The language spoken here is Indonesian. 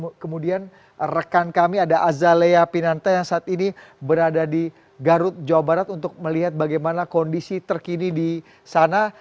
bagaimana kemudian rekan kami ada azalea pinanta yang saat ini berada di garut jawa barat untuk melihat bagaimana kondisi terkini di sana